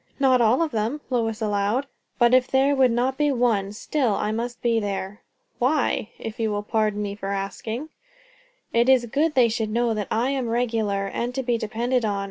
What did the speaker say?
"Not all of them," Lois allowed. "But if there would not be one, still I must be there." "Why? if you will pardon me for asking." "It is good they should know that I am regular and to be depended on.